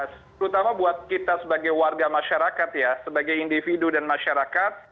terutama buat kita sebagai warga masyarakat ya sebagai individu dan masyarakat